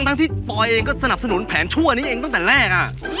ทั้งที่ปอยเองก็สนับสนุนแผนชั่วนี้เองตั้งแต่แรก